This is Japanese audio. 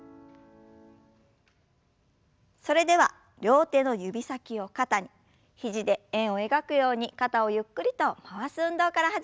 それでは両手の指先を肩に肘で円を描くように肩をゆっくりと回す運動から始めましょう。